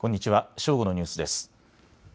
正午のニュースです。